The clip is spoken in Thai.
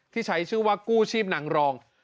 ใช้ชื่อว่ากู้ชีพนางรอง